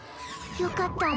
よかった